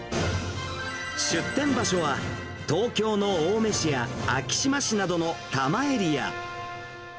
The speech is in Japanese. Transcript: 出店場所は、東京の青梅市や昭島市などの多摩エリア。